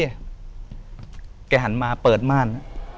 ไอ้เจ้าหันมาเปิดม่าน